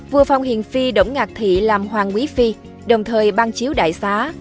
vua phong hiền phi đỗng ngạc thị làm hoàng quý phi đồng thời ban chiếu đại xá